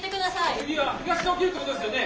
次は東で起きるってことですよね？